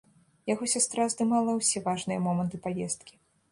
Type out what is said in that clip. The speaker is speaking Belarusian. Яго сястра здымала ўсе важныя моманты паездкі.